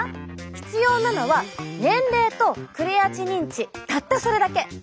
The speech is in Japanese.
必要なのは年齢とクレアチニン値たったそれだけ。